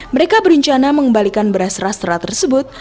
mereka berencana mengembalikan beras rastra tersebut